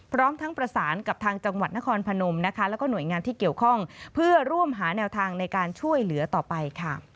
พร้อมทั้งประสานกับทางจังหวัดนครพนมนะคะแล้วก็หน่วยงานที่เกี่ยวข้องเพื่อร่วมหาแนวทางในการช่วยเหลือต่อไปค่ะ